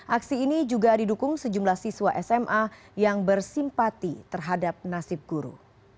aksi ini juga didukung sejumlah siswa sma yang bersimpati terhadap nasib guru